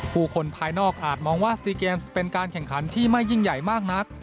ผู้คนภายนอกอาจมองว่า๔เกมส์เป็นการแข่งขันที่ไม่ยิ่งใหญ่มากนัก